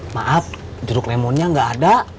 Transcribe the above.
maaf jeruk lemonnya nggak ada